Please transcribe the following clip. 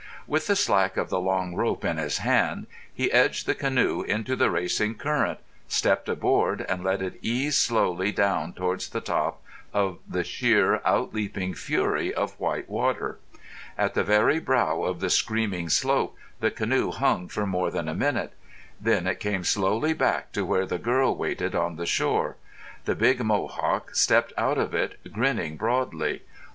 With the slack of the long rope in his hand he edged the canoe into the racing current, stepped aboard, and let it ease slowly down towards the top of the sheer, out leaping fury of white water. At the very brow of the screaming slope the canoe hung for more than a minute. Then it came slowly back to where the girl waited on the shore. The big Mohawk stepped out of it, grinning broadly.